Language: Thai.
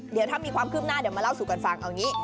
เดี๋ยวถ้ามีความคืบหน้าเดี๋ยวมาเล่าสู่กันฟังเอาอย่างนี้